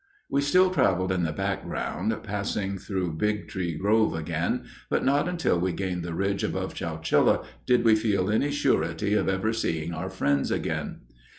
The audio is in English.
We still traveled in the back ground, passing through Big Tree Grove again, but not until we gained the ridge above Chowchilla did we feel any surety of ever seeing our friends again.